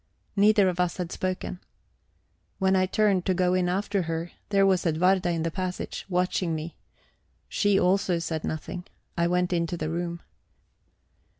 Neither of us had spoken. When I turned to go in after her, there was Edwarda in the passage, watching me. She also said nothing. I went into the room.